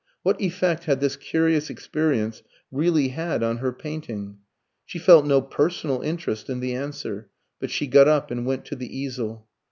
What effect had this curious experience really had on her painting? She felt no personal interest in the answer, but she got up and went to the easel.